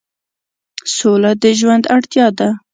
سوله د ژوند اړتیا ده.